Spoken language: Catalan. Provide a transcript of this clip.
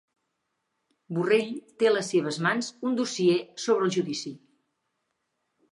Borrell té a les seves mans un dossier sobre el judici